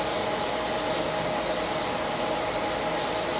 ต้องเติมเนี่ย